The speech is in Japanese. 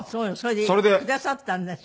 それでくださったんですよ。